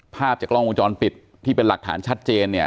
ภาพจากกล้องวงจรปิดที่เป็นหลักฐานชัดเจนเนี่ย